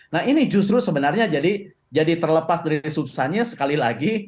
nah ini justru sebenarnya jadi terlepas dari subsannya sekali lagi